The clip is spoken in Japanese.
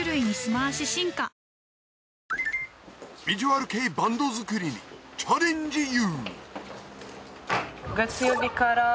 ヴィジュアル系バンド作りにチャレンジ